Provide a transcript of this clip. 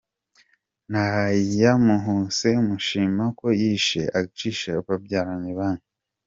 Nayamuha se mushima ko yishe cg akicisha babyara banjye?